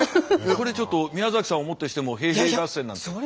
これちょっと宮崎さんをもってしても平平合戦なんて。